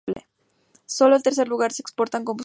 Solo en tercer lugar se exportan combustibles.